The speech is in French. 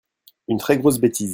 une très grosse bétise.